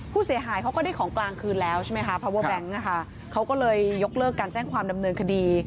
ผู้เสียหายเขาก็ได้ของกลางคืนแล้วใช่ไหมค่ะค่ะเขาก็เลยยกเลิกการแจ้งความดำเนินคดี